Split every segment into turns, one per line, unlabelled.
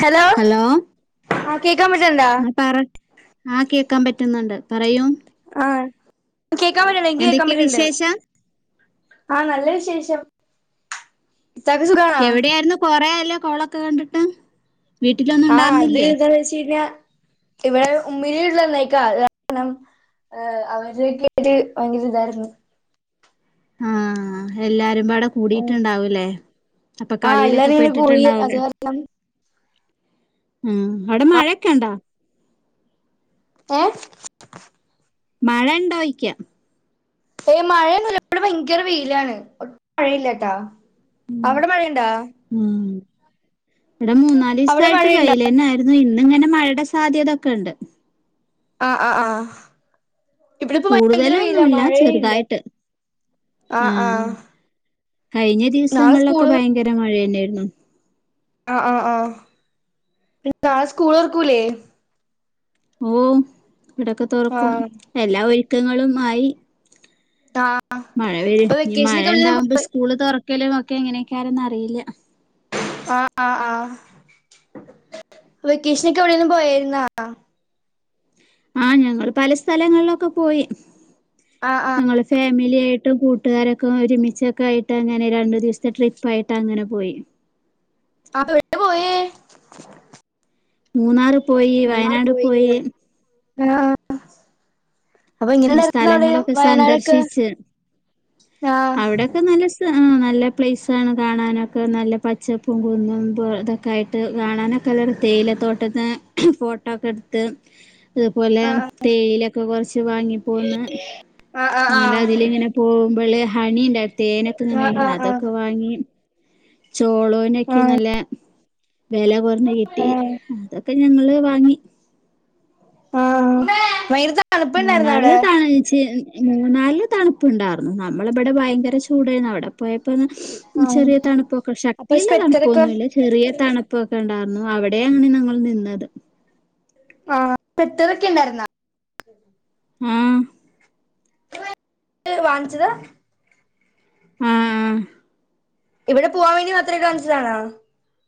Hello കേക്കാൻ പറ്റണ്ടാ
ആ പറ ആ കേ ക്കാൻ പറ്റ്ന്ന്ണ്ട് പറയു
ആ കേക്കാൻ പറ്റ്ണ്ട് എനിക്ക് കേക്കാൻ
എന്തൊക്കെയ
പറ്റ്ണ്ട്
വിശേഷം
ആ നല്ല വിശേഷം ഇത്താക്ക് സുഖാണോ
എവിടെയായിരുന്നു കൊറെ ആയല്ലോ കോളൊക്കെ കണ്ട്ട്ട്
ആ അത് എന്താന്ന് വെച്ച് കഴിഞ്ഞാ ഇവടെഉമ്മീടെ സ്ത്രീ വന്നേക്കാഅത് കാരണം അവരൊക്കെ ഭയങ്കര ഇതായിരുന്നു
ആ എല്ലാരും ബാടെ
ഉം
കൂടിട്ടുണ്ടാവുംലെ അപ്പം
ആ
കളിയിലൊക്കെ
എല്ലാരും ഇങ്ങനെ കൂടി അത്
പെട്ടിട്ട്ണ്ടാവുംലെ
കാരണം
ഉം അവിടെ മഴയൊക്കെ ണ്ടാ
ഏ
മഴ ഉണ്ടോയ്ക്കാ
ഏ മഴയൊന്നുല്ല ഇവടെ ഭയങ്കര വെയിലാണ് ഒട്ടും മഴയില്ലാട്ടാ അവിടെ മഴയ്ണ്ടാ
ഉം ഇവിടെ മൂന്നാല് ദിവസായിട്ട്
മഴയുണ്ടാ
വെയിലെന്നായിരുന്നു ഇ ഇന്ന്ങ്ങനെ മഴടെ സാധ്യതൊക്കെണ്ട്
ആ ആ ആ ഇവിടെ ഇപ്പൊ ഭയങ്കര വെയിലാ
കൂടുതലൊന്നുല്ല
മഴയേ ഇല്ല
ചെറുതായിട്ട് ആ കഴിഞ്ഞ
നാളെ
ദിവസങ്ങളിലൊക്കെ
സ്കൂള്
ഭയങ്കര മഴയായി [unintelligible] യിരുന്നു
ആ ആ ആ പിന്നെ നാളെ സ്കൂള് തൊർക്കൂലേ
ഓ ഇവിടൊക്കെ തുറക്കും
ആഹ്
എല്ലാ ഒരു ക്കങ്ങളുമായി
ആഹ്
മഴ
അപ്പൊ
വരും നി
വെക്കേഷനൊക്കെ എവിടേലും
മഴണ്ടാവുമ്പോ സ്കൂള് തുറക്ക ഒരുക്കലും ഒക്കെ എങ്ങനെക്കാരന്നറിയില്ല
ആ ആ ആ വെക്കേഷനൊക്കെ എവിടെലും പോയാരുന്നാ
ആ ഞങ്ങള് പല സ്ഥലങ്ങളിലൊക്കെ പോയി
ആ ആ
ഞങ്ങള് ഫാമിലി ആയിട്ടും കൂട്ടുകാരൊക്കെ ഒരുമിച്ചൊക്കെ ആയിട്ട് അങ്ങനെ രണ്ടു ദിവസത്തെ ട്രിപ്പായിട്ട് അങ്ങനെ പോയി
അത് എവിടെയ പോയേ
മൂന്നാറ് പോയി വയനാട് പോയി
ആ അപ്പൊ എങ്ങനെ [unintelligible]
അങ്ങനെ
അവിടെ
സ്ഥലങ്ങളൊക്കെ
വയനാടൊക്കെ
സന്ദർശിച്ച്
ആ
ആ നല്ല പ്ലേസാണ് കാണാനൊക്കെ നല്ല പച്ചപ്പും കുന്നും ഇതൊക്കെ ആയിട്ട് കാണാനൊക്കെ നല്ലതാ തേയില തോട്ടത്തിന്ന് ഫോട്ടോക്കെ ഇടുത്ത് അതുപോലെ
ആഹ്
തേയിലൊക്കെ കൊറച്ച് വാങ്ങി പോന്ന്
ആഹ് ആഹ്
അങ്ങനെ അതില
ആഹ്
ഇങ്ങനെ പോ മ്പള് ഹണിണ്ടാര്ന്നു തേനൊക്കെ ഇങ്ങനെ
ആഹ് ആഹ് ആഹ്
അതൊക്കെ വാങ്ങി ചോളോനൊക്കെ
ആഹ്
നല്ല വെല കൊറഞ്ഞ് കിട്ടി
ആഹ്
അതൊക്കെ ഞങ്ങള് വാങ്ങി
ആ വയങ്കര തണു
മൂന്നാറില [unintelligible] മൂന്നാല് തണുപ്പുണ്ടാരുന്നു. നമ്മളിമ്പിടെ ഭയങ്കര ചൂടാരെന്നു അവിടെ പോയപ്
ആഹ്
ചെറിയ തണുപ്പൊക്കെ
അപ്പൊ
ശക്തിള്ള
സ്വെറ്ററൊക്കെ
തണുപ്പൊന്നുമല്ല ചെറിയ തണുപ്പൊക്കെ ഉണ്ടാർ ന്നവിടെയാണ് നങ്ങൾ നിന്നത്.
ആ പെട്ടതെക്കെ ണ്ടാരിന്നോ?
ആ
വാങ്ച്ചതാ?
ആഹാ
ഇവിടെ പൂവാൻ വേണ്ടി മാത്രം [unintelligible]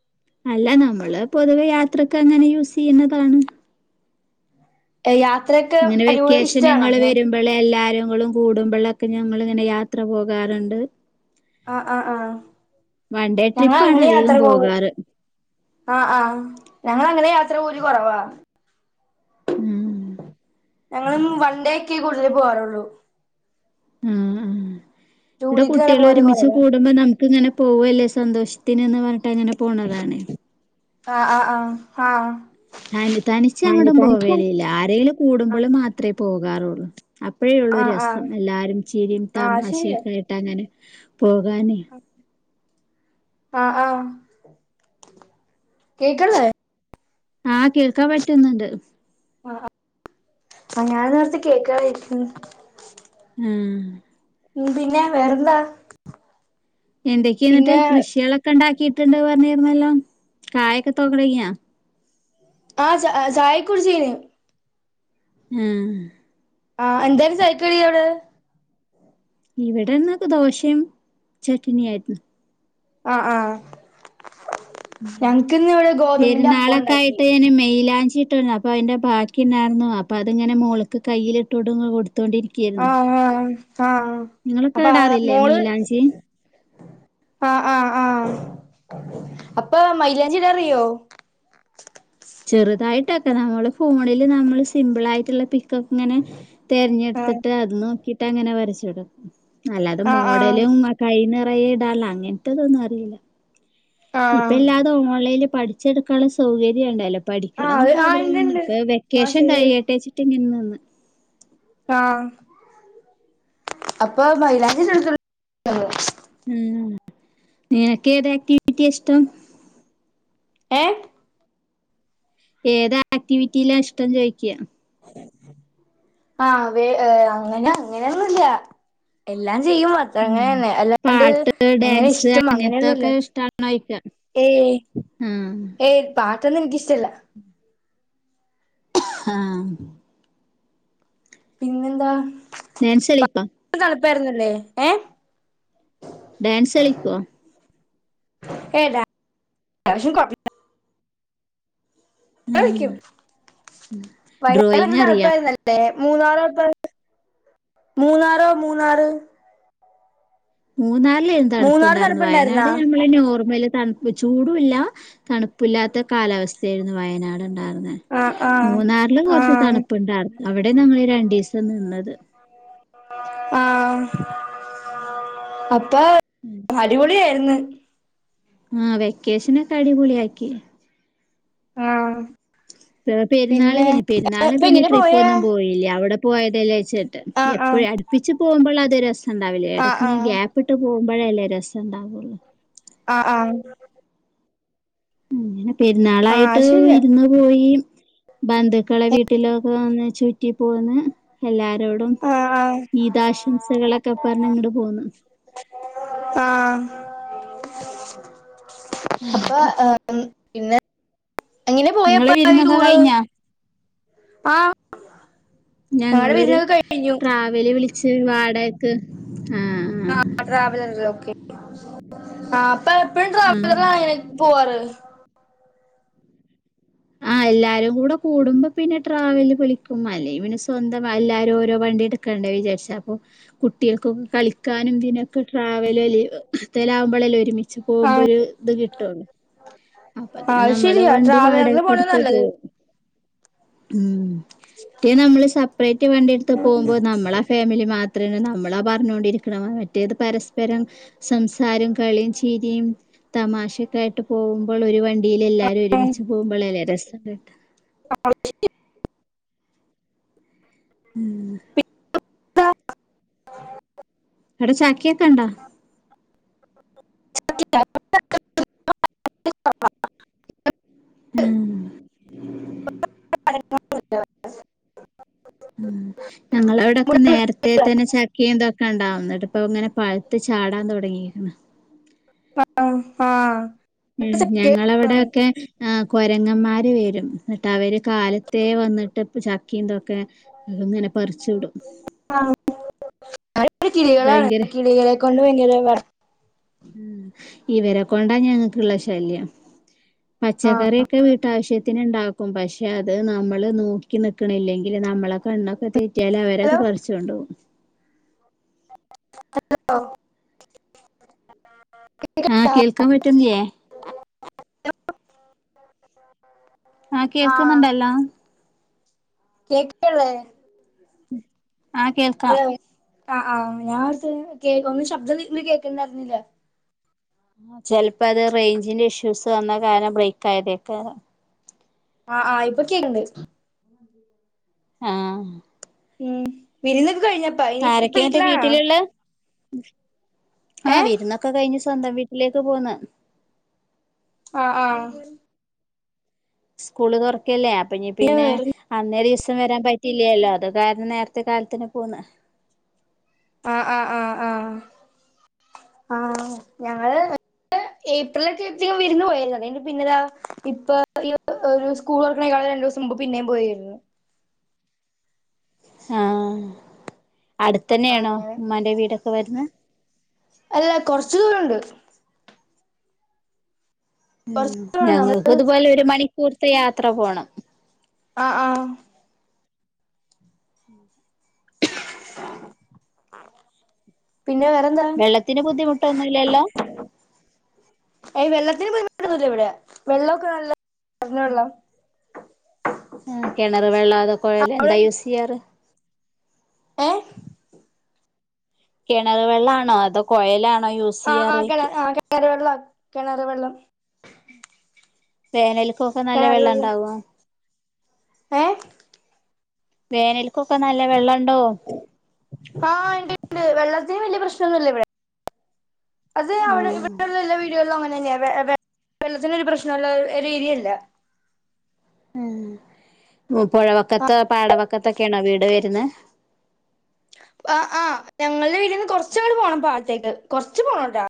അല്ല നമ്മള് പൊതുവെയാത് ത്രക്കങ്ങനെ യൂസെയ്യുന്നതാണ്.
[inaudible]
ഇങ്ങെനെ
അടിപൊളി
വെക്കേഷന്കള്
ഇഷ്ടാണോ?
വരുവരുമ്പോള് എല്ലാരും ങ്ങളും കൂടുമ്പളൊക്കെ ഞങ്ങളിൻങ്ങനെ യാത്ര പോകാറുണ്ട്.
ആഹ് ആഹ് ആഹ്
വൺണ്ടേ ട്രിപ്പാണധികം പോകാറ്.
ആഹ ആ ഞങ്ങളെങ്ങെനെ യാത്ര പോവലു കുറവാ.
ഉം
ഞങ്ങളും വൺണ്ടെക്കെ കൂടുതലും പോവാറുള്ളൂ.
ഉം ഉം ണ്ട്
ടൂറിക്കങ്ങനെ പോവല്
കുട്ടിലൊരുമിച്ച്
കൊറവാ.
കൂടുബ നം ക്ക്‌ങ്ങനെ പോവല്ലേ സന്തോഷത്തിന് ന്ന് പറഞ് ങ്ങനെ പോണതാണ്
ആഹ് ആഹ് ആഹ് ഹാ
ത്തനി തനിച്ചെങ്ങോടും പോവേലില്ല ആരെലും കൂടുമ്പള്
ആഹ്
മാത്രെ പോകാറുള്ളൂ. അപ്പെഴേള്ളു
ആഹ് ആഹ്
ഒരെസം എല്ലാരും ചിരിയും
ആഹ് ശെരിയാ
തമാശക്കെയായിട്ടങ്ങനെ. പോകാനെ
ആ ആ കേക്കൺല്ല്യെ?
ആഹ് കേൾക്കാൻമ്പറ്റുന്നുണ്ട്.
അ ആ ഞാൻ നേർത്തെ കേക്ക [unintelligible]
ആഹ്
മ് പിന്നെ വെറെന്താ?
എന്തെക്കെയാന്നിട്ട് കൃഷിളക്കെണ്ടാക്കി കിട്ടേണ്ട് പറെൻഞ്ഞിരുന്നല്ലോ കായൊക്കെ [unintelligible]
ആ ച ചായൊക് കുടിച്ചിന്‌
മ്മ്
ആ എന്തെയ്നു ചായക് കടിയവടെ?
ഇവിടന്നക്കെ ദോശേമ് ചട്നിയാരുന്നു.
ആ ആ ഞക്കിന്നിവിടെ ഗോതമ്പിന്റെ അപ്പോണ്ടാക്കി.
ഞ്ചി ഇട്ടിരു [unintelligible] അപ്പോ അതിന്റെ ബാക്കിണ്ടരുന്നു അപ്പൊ അതിങ്ങെ മോൾക്ക് കയ്യിലിട്ട്ടു കൊടു ത്തോണ്ടിരികയ്‌ര്ന്നു
ആഹ് ആഹ് അഹ് അപ്പൊ അ മോള്
മെയിലാഞ്ചി
ആ ആ ആ അപ്പൊ മൈലാഞ്ചിട അറിയോ
ചെറുതായിട്ടൊക്കെ നമ്മള് ഫോണില് നമ്മള് സിമ്പിളയിട്ടുള്ള ത്ത്ങ്ങനെ
ആഹ്
തെര്ഞ്ഞെട്ത്തിട്ട് അത് നോക്കിട്ട് അങ്ങനെ വരച്ച ചട അല്ലാതെ
ആഹ് ആഹ്
മോഡലും ആ കൈന്ന് യ്യി ടാർ അങ്ങനെത്തതൊന്നും അറിയില്ല. ഇപ്പൊ
ആഹ്
ഇല്ലാതു ഓൺലൈല് പഠിച്ചെടുക്കാള്ള സൗകര്യം ഉണ്ടല്ലോ
ആഹ്
പഠിക്കണം
അത്
എന്നൊക്കെ
ആഹ് ഇണ്ട്
ആഗ്രഹണ്ട്
ഇണ്ട്
ഇപ്പൊ
ആഹ്
വെക്കേഷൻ
ശരിയാ
കഴിയട്ടെ ച്ചിട്ട് നിന്നു. ഉം
ആഹ അപ്പൊ മൈലാഞ്ചി [inaudible]
ഉം നിനക്ക് ഏത് ആക്ടിവിറ്റി യാ ഇഷ്ടം
എ
ഏതാ ആക്ടിവിറ്റിയിലാ ഇഷ്ടം ചോയ്ക്യ
ആഹ് വേ ഹ് അങ്ങനെ അങ്ങനെഒന്നുല്ല എല്ലാം ചെയ്യും അത്രന്നെ
ഉം
ന്നെ അല്ലാണ്ട്
പാട്ട്,
ങ്ങനെ
ഡാൻസ്
ഇഷ്ടം അങ്ങനെയൊന്നുല്ല
അങ്ങനത്തൊക്കെ ഇഷ്ടാണോയിക്ക
ഏയ്‌
ആഹ്
ഏയ്‌ പാ ത്തൊന്നും എനിക്കിഷ്ടല്ല.
ആ
പിന്നെന്താ?
ഞാൻ [unintelligible]
[unintelligible] ഏ
ഡാൻസ് കളിക്കുവാ.
ഏ [inaudible] [unintelligible]
ഡ്രോയിങ് അറിയാ
തണുപ്പായിരുന്നല്ലേ? [unintelligible] മൂന്നാറോ മൂന്നാറ്
മൂന്നാ [unintelligible]
മൂന്നാറ്
ഇണ്ടാർന്നത്
തണുപ്പുണ്ടായിരുന്നാ
വയനാട് നമ്മളെന്നെ [unintelligible] തണുപ്പ് ചൂടുല്ല തണുപ്പില്ലാത്ത കാലാവസ്ഥയായിരുന്നു വയനാട്. [unintelligible]
ആ ആ
[unintelligible] മൂന്നാറില്
ആ
കൊറച്ച് തണുപ്പുണ്ടാർന്ന്. അവിടെ ഞങ്ങൾ രണ്ടീസം നിന്നത്.
ആ അപ്പ അടിപൊളിയായിരുന്നു.
ആ വെക്കേഷനൊക്കെ അടിപൊളിയാക്കി
ആ
പെരുന്നാള്
പിന്നെ
കഴിഞ്ഞ് പെരുന്നാളിന്
ഇപ്പൊ
പിന്നെ
എങ്ങനെ
ട്രിപ്പ്
പോയേ
ഒന്നും പോയില്ല അവിടെ പോയതെല്ലെ ചാട്ട്
ആ ആ
എപ്പോഴും അടുപ്പിച്ച് പോകുമ്പോൾ അത് രസം ഇണ്ടാവില്ലേ
ആ
ഇടക്ക
ആ
ഇങ് ഗ്യാപ്പിട്ട് പോകുമ്പ [unintelligible] യല്ലേ രസണ്ടാവുള്ളൂ
ആ ആ
അങ്ങനെ
ആ
പെരുന്നാളായിട്ട്
ശരിയാ
വിരുന്ന് പോയി ബന്ധുക്കളെ വീട്ടിലൊക്കെ വന്ന് ചുറ്റി പോന്ന് എല്ലാരോടും
ആ ആ
ഈദാശംസകളൊക്കെ പറഞ്ഞ് ഇങ്ങട്ട് പോന്ന്
ആ അപ്പൊ ഏ മ് പിന്നെ എങ്ങനെ പോയപ്പ
നിങ്ങളെ
ഈ
വിരുന്നൊക്കെ
ടൂറ്
കഴിഞ്ഞാ
ആഹ്
ഞങ്ങളൊരു ട്രാവല് വിളി [unintelligible] വാടകക്ക് ആ
ആ ട്രാവലറിലൊക്കെ [unintelligible] ആ [unintelligible] ഇപ്പ എപ്പം
ആ ആ
ട്രാവലറിലാണോ പോവാറ്
ആഹ എല്ലാരും കൂടെ കൂടുമ്പോ പിന്നെ ട്രാവല് വിളിക്കും അല്ലേ പിന്നെ സ്വന്തം എല്ലാരും ഓരോ വണ്ടി എടുക്കണ്ടേ വിചാരിച്ച് അപ്പൊ കുട്ടികൾക്കൊക്കെ കളിക്കാനും പിന്നെ ട്രാവല് [unintelligible] ആകുമ്പോഴല്ല ഒരുമിച്ച്
ആ
പോകുമ്പോ ഒരു ഇത് കിട്ടുള്ളൂ അപ്പൊ
ആ
അതിന് നമ്മള്
ശരിയാ
വണ്ടി
ട്രാവലറിൽ
വാടകയ്
പോണ
ട്ട് പോ
നല്ലത്
ഉം റ്റേ നമ്മള് സെപ്പറേറ്റ് വണ്ടി എടുത്ത് പോകുമ്പോൾ നമ്മള ആ ഫാമിലി മാ അത്ര നമ്മളാ പറഞ്ഞോണ്ടരിക്കണെന്ന്. മറ്റേത് പരസ്പരം സംസാരം കളിയും ചീരിയും തമാശക്ക ആയിട്ട് പോകുമ്പോൾ ഒരു വണ്ടിൽ എല്ലാരും ഒരുമിച്ച് പോകുമ്പോ [unintelligible] ഉം
[unintelligible]
എടാ ചാക്കിയൊക്കെ ഇണ്ടാ
[unintelligible]
ഉം
[unintelligible]
ആ ഞങ്ങളവിടൊക്കെ നേരത്തെ തന്നെ ചക്കയും ഇതെക്കെണ്ടാവു ന്നിട്ട് ഇപ്പൊ ഇങ്ങനെ പഴുത്തു ചാടാൻ തുടങ്ങി
ആഹ്
ഞങ്ങളവിടൊക്കെ ആഹ് കൊരങ്ങന്മാർ വരും എന്നിട്ട് അവര് കാലത്തെ വന്നിട്ട് ചക്കീന്തൊക്കെങ്ങനെ പറിച്ചുവിടും
ന കിളികളാണ് കിളികളെ കൊണ്ട് ഭയങ്കര വ
ഉം ഇവരെ കൊണ്ടാ ഞങ്ങക്ക്ള്ള ശല്യം
ആ
പച്ചക്കറിയൊക്കെ വീട്ടാവശ്യത്തിന് ണ്ടാ ക്കും പക്ഷേ അത് നമ്മള് നോക്കി നിക്കണില്ലെങ്കി ല് നമ്മളെ കണ്ണൊക്കെ തെറ്റിയാൽ അവരത്
ഹലോ
പറിച്ചൊണ്ടോകും
ഹലോ
ആ കേൾക്കാൻ പറ്റുന്നില്ലേ ആ കേൾക്കുന്നുണ്ടല്ലോ
കേക്ക്ന്ന്ള്ളത്
ഉം ആഹ് കേൾക്കാം
ആ ആ ഞാൻ [unintelligible] കേ ഒന്നും ശബ്ദം കേൾക്കണ്ടായിരുന്നില്ല
ആ ചെലപ്പോ അത് റേഞ്ചിന്റെ ഇഷ്യൂസ് വന്ന കാരണം ബ്രേക്ക് ആയതേകാരം
ആ ആഹ് ഇപ്പൊ ക്കെക്ണ്ട്
ആ
ഉം വിരുന്ന്
ആരൊക്കെ എന്നിട്ട് വീട്ടിലുള്ളെ ആ
ഏ
വിരുന്നൊക്കെ കഴിഞ് സ്വന്തം വീട്ടിലേക്ക് പോന്ന്.
ആ ആ
സ്കൂള് തുറക്കല്ലേ അപ്പ പിന്നെ അന്നേര ഈ സ് ഇപ്പം വരാൻ പറ്റില്ലല്ലോ അത് കാരണം നേരത്തെ കാലത്തിനെ പോന്ന്
ആ ആ ആ ആ ആ ഞങ്ങള് ഏപ്രില് ഒക്കെ വിരുന്ന് പോയാരുന്നു അ പിന്നെടാ ഇപ്പൊ ഈ ഒരു സ്കൂൾ തൊർക്കണേക്കാളും രണ്ടു ദിവസം മുമ്പ് പിന്നേം പോയിരുന്നു.
ആ അടുത്ത് തന്നെയാണോ
അങ്ങനെ
ഉമ്മാന്റെ വീട്? വരുന്ന്
അല്ല കൊറച്ചു ദൂരുണ്ട്.
ഉം
കൊറച്ച് ദൂരണ്ട് നമ്മള്
ഞങ്ങൾക്ക് ഇതുപോലെ ഒരു മണിക്കൂർത്തെ യാത്ര പോണം.
ആ ആ പിന്നെ വേറെന്താ
വെള്ളത്തിന് ബുദ്ധിമുട്ടൊന്നുല്ലല്ലോ?
ഏയ്‌ വെള്ളത്തിന് ബുദ്ധിമുട്ടൊന്നുമില്ല ഇവിടെ വെള്ളമൊക്കെ നല്ല [unintelligible] വെള്ളം
ആഹ് കിണറ് വെള്ള അതോ കുഴൽ
ആഹ് അവിടെ
എന്താ യൂസ് ചെയ്യാറ്.
ഏഹ്
കിണർ വെള്ളാണോ അതോ കോഴലാണോ?
ആഹ് ആഹ് കിണർ കിണറുവെള്ളവാ. കിണറുവെള്ളം
വേനൽ അപ്പൊ ഒക്കെ നല്ല വെള്ളം ഉണ്ടാവോ.
ഏഹ്
വേനൽക്കൊക്കെ നല്ല വെള്ളം- ഉണ്ടാവും
ആഹ് ഇണ്ട് ഇണ്ട് വെള്ളം- അത്രയും വലിയ പ്രശ്നമെന്നുമല്ല ഇവിടെ. അതു അവിടെ
ആഹ്
ഇവിടെ ഉള്ള എല്ലാ വീ - ഇവിടെയുള്ള അങ്ങനെ തന്നെയായി വെള്ളത്തിൽ ഒരു പ്രശ്നമുള്ള ഒരു ഏരിയ അല്ല.
ഉം പുഴവക്കത്ത് പാടവക്കത്ത് ഒക്കെ ആണോ വീട് വരുന്നെ
ആഹ് ആഹ് ഞങ്ങളുടെ വീട്ടീന്ന് കുറച്ചങ്ങ് പോണം പാടത്തേക്ക് കുറച്ചു പോണട്ടോ.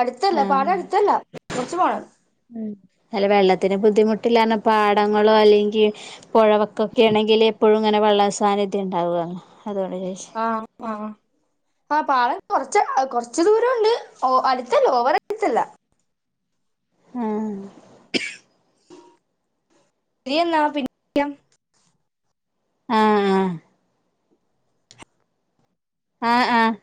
അടുത്തല്ല
ആഹ്
പാടം അടുത്തല്ല. ച്ച് പോണം.
ഉം അല്ല വെള്ളത്തിന് ബുദ്ധിമുട്ടില്ലാന്ന് പറഞ്ഞപ്പോ പാടങ്ങളോ അല്ലെങ്കി പൊഴവക്കൊക്കെ ആണെങ്കിൽ എപ്പോഴും ഇങ്ങനെ വെള്ള സാന്നിധ്യം ഇണ്ടാവോ
ആഹ് ആഹ് ആ പാടം കൊറച്ച് കൊറച്ച് ദൂരം ഉണ്ട് ഓ അടുത്തല്ല ഓവർ അടുത്തല്ല.
ആഹ്
ശരിയെന്നാ പിന്നെ വിളിക്കാം
ആഹ് ആഹ് ആഹ് ആഹ്